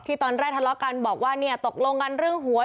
ตอนแรกทะเลาะกันบอกว่าเนี่ยตกลงกันเรื่องหวย